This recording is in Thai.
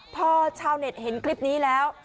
พอชาวเน็ตเห็นคลิปนี้แล้ว